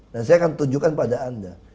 dan saya akan tunjukkan pada anda